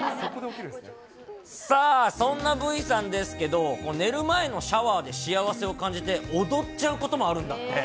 さあ、そんなＶさんですけど、寝る前のシャワーで幸せを感じて、踊っちゃうこともあるんだって。